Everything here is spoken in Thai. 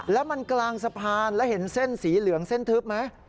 แล้วมันกลางสะพานแล้วเห็นเส้นสีเหลืองเส้นทึบไหม